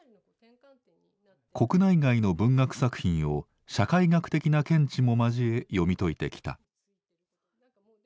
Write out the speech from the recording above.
国内外の文学作品を社会学的な見地も交え読み解いてきた。